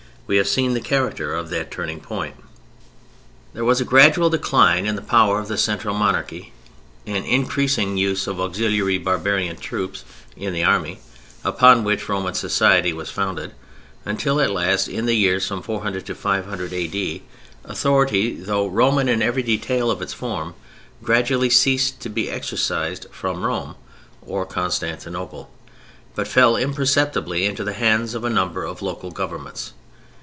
We have seen the character of that turning point. There was a gradual decline in the power of the central monarchy, an increasing use of auxiliary barbarian troops in the army upon which Roman society was founded, until at last (in the years from 400 to 500 A.D.) authority, though Roman in every detail of its form, gradually ceased to be exercised from Rome or Constantinople, but fell imperceptibly into the hands of a number of local governments.